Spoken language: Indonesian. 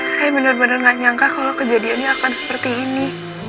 saya bener bener gak nyangka kalau kejadiannya akan seperti ini